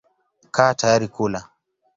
Kaa tayari kula.